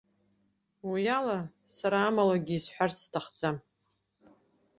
Уи ала, сара амалагьы исҳәарц сҭахӡам.